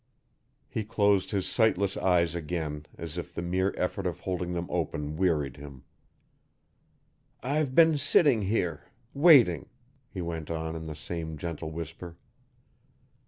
He closed his sightless eyes again as if the mere effort of holding them open wearied him. "I've been sitting here waiting," he went on in the same gentle whisper.